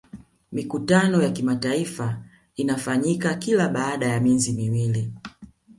Mikutano ya kamati inafanyika kila baada ya miezi miwili